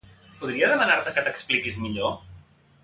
Podria demanar-te que t'expliquis millor?